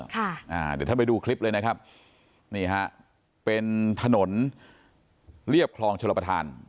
เดี๋ยวท่านไปดูคลิปเลยนะครับนี่ฮะเป็นถนนเรียบคลองชลประธาน